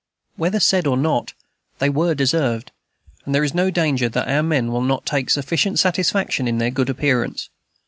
Whether said or not, they were deserved; and there is no danger that our men will not take sufficient satisfaction in their good appearance.